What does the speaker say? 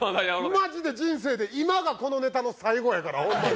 マジで人生で今がこのネタの最後やからホンマに。